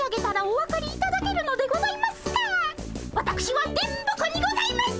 わたくしは電ボ子にございます！